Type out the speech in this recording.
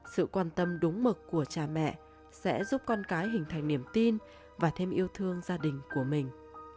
sự quan tâm đúng mực của cha mẹ sẽ giúp con cái hình thành niềm tin và thêm yêu thương gia đình của mình